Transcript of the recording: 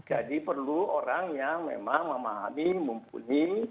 jadi perlu orang yang memang memahami mumpuni